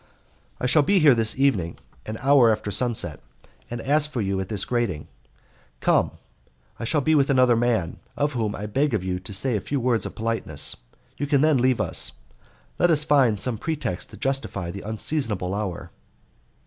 "I shall be here this evening an hour after sunset, and ask for you at this grating; come. I shall be with another man, to whom I beg of you to say a few words of politeness; you can then leave us. Let us find some pretext to justify the unseasonable hour."